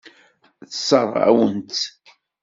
Tessṛeɣ-awen-tt.